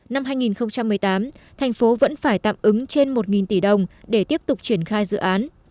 năm hai nghìn một mươi tám thành phố vẫn phải tạm ứng trên một tỷ đồng để tiếp tục triển khai dự án